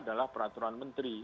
adalah peraturan menteri